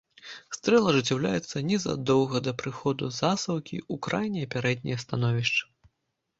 Стрэл ажыццяўляецца незадоўга да прыходу засаўкі ў крайняе пярэдняе становішча.